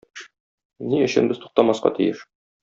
Ни өчен без туктамаска тиеш?